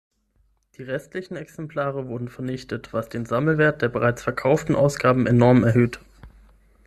Die restlichen Exemplare wurden vernichtet, was den Sammlerwert der bereits verkauften Ausgaben enorm erhöhte.